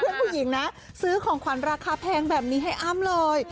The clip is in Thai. ผู้หญิงนะซื้อของขวัญราคาแพงแบบนี้ให้อ้ำเลย